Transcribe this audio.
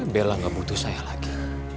bella gak butuh saya lagi